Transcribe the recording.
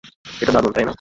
এটা দারুণ, তাই না?